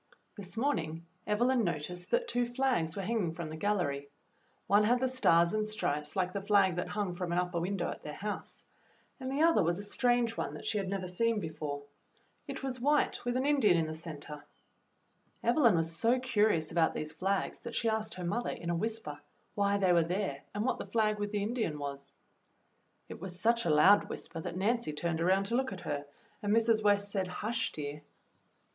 This morning Evelyn noticed that two flags were hanging from the gallery. One had the stars and stripes like the flag that hung from an upper win dow at their house, and the other was a strange one that she had never seen before. It was white wdth an Indian in the center. Evelyn was so curious about these flags that she asked her mother, in a whisper, why they were there and what the flag with the Indian was. It w^as such a loud whisper that Nancy turned around to look at her, and Mrs. West said, "Hush, dear."